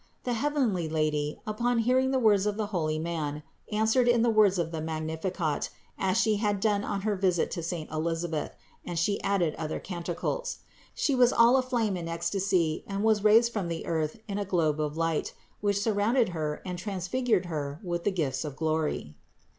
The heavenly Lady, upon hearing the words of the holy man, answered in the words of the Magnificat, as She had done on her visit to saint Elisabeth, and She added other canticles. She was all aflame in ecstasy and was raised from the earth in a globe of light, which sur rounded Her and transfigured Her with the gifts of glory.